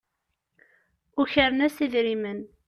Ukren-as idrimen.